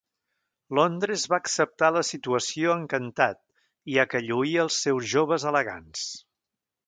Londres va acceptar la situació encantat ja que lluïa els seus joves elegants.